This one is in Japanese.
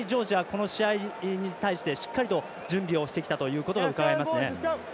この試合に対してしっかりと準備をしてきたということがうかがえますね。